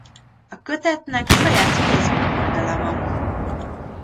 A kötetnek saját Facebook oldala van.